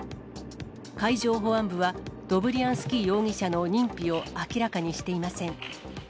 海上保安部は、ドブリアンスキー容疑者の認否を明らかにしていません。